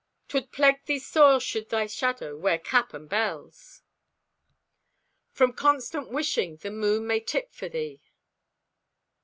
"'Twould pleg thee sore should thy shadow wear cap and bells." "From constant wishing the moon may tip for thee."